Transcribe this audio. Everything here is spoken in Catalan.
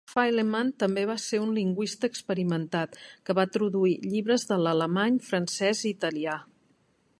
Fyleman també va ser un lingüista experimentat que va traduir llibres de l'alemany, francès i italià.